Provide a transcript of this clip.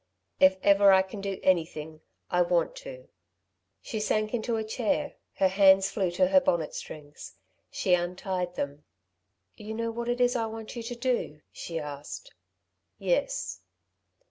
"If ever I can do anything, I want to." She sank into a chair. Her hands flew to her bonnet strings. She untied them. "You know what it is I want you to do?" she asked. "Yes."